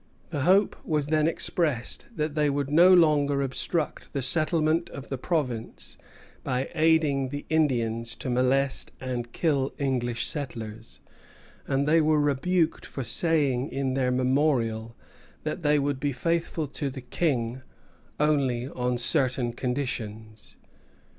The hope was then expressed that they would no longer obstruct the settlement of the province by aiding the Indians to molest and kill English settlers; and they were rebuked for saying in their memorial that they would be faithful to the King only on certain conditions.